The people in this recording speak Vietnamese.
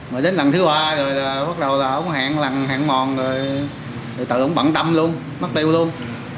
mà đến lần thứ ba rồi bắt đầu là hẹn lần hẹn mòn rồi tự ông bận tâm luôn mất tiêu luôn